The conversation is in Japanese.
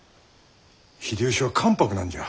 秀吉は関白なんじゃ。